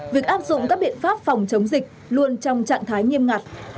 việc áp dụng các biện pháp phòng chống dịch luôn trong trạng thái nghiêm ngặt